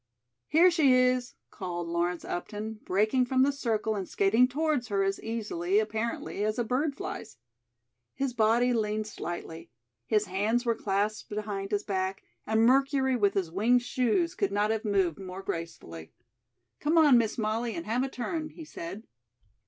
"Here she is," called Lawrence Upton, breaking from the circle and skating towards her as easily, apparently, as a bird flies. His body leaned slightly. His hands were clasped behind his back, and Mercury with his winged shoes could not have moved more gracefully. "Come on, Miss Molly, and have a turn," he said.